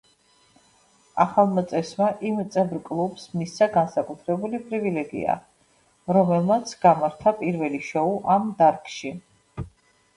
ახალმა წესმა იმ წევრ კლუბს მისცა განსაკუთრებული პრივილეგია, რომელმაც გამართა პირველი შოუ ამ დარგში.